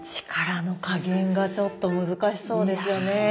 力の加減がちょっと難しそうですよね。